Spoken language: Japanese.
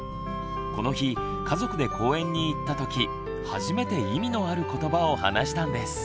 この日家族で公園に行った時初めて意味のある言葉を話したんです。